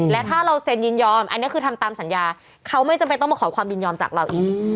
และถ้าเราเซ็นยินยอมอันนี้คือทำตามสัญญาเขาไม่จำเป็นต้องมาขอความยินยอมจากเราอีก